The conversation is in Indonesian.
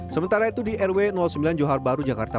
sementara itu di rw sembilan johar baru jakarta